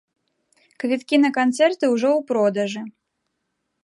Квіткі на канцэрты ўжо ў продажы.